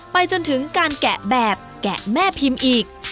ไปจนถึงการแกะแบบแกะแม่พิมพ์อีก